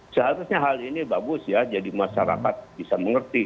seharusnya hal ini bagus ya jadi masyarakat bisa mengerti